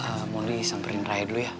eh mondi samperin raya dulu ya